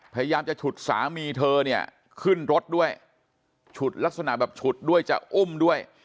พยายามจะฉุดสามีเธอเนี่ยขึ้นรถด้วยฉุดลักษณะแบบฉุดด้วยจะอุ้มด้วย